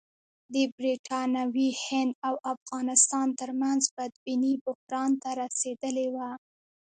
د برټانوي هند او افغانستان ترمنځ بدبیني بحران ته رسېدلې وه.